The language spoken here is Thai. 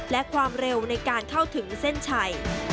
และความเร็วในการเข้าถึงเส้นชัย